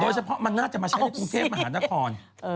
เฉพาะมันน่าจะมาใช้ในกรุงเทพมหานคร